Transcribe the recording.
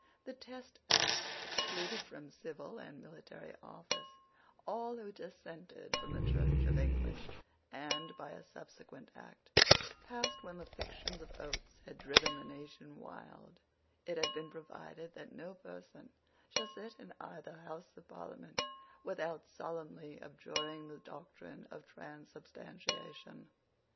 The Test Act excluded from civil and military office all who dissented from the Church of England; and, by a subsequent Act, passed when the fictions of Oates had driven the nation wild, it had been provided that no person should sit in either House of Parliament without solemnly abjuring the doctrine of transubstantiation.